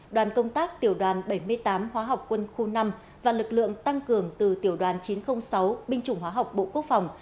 đoàn công tác tiểu đoàn bảy mươi tám hóa học quân khu năm và lực lượng tăng cường từ tiểu đoàn chín trăm linh sáu binh chủng hóa học bộ quốc phòng